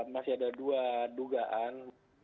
masih ada dua dugaan